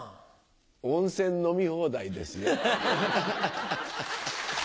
温泉飲み放題ですよ。